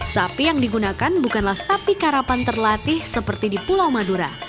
sapi yang digunakan bukanlah sapi karapan terlatih seperti di pulau madura